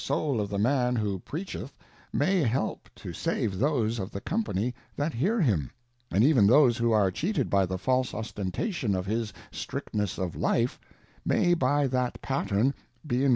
Soul of the Man who preacheth, may help to save those of the Company that hear him, and even those who are cheated by the f alse, Ostentar tion of his strictness of life, may by that Pattern b_e_en.